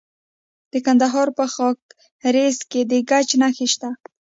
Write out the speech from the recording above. د کندهار په خاکریز کې د ګچ نښې شته.